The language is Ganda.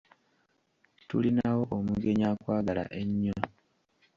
Tulinawo omugenyi akwagala ennyo.